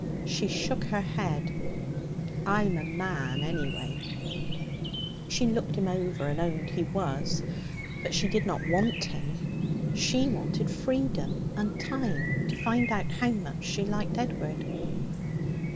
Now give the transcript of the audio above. She shook her head. 'I'm a man, anyway.' She looked him over, and owned he was. But she did not want him; she wanted freedom and time to find out how much she liked Edward.